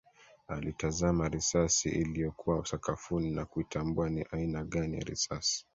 Aliitazama risasi iliyokuwa sakafuni na kuitambua ni aina gani ya risasi